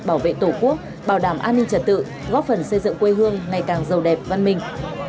bảo vệ tổ quốc bảo đảm an ninh trật tự góp phần xây dựng quê hương ngày càng giàu đẹp văn minh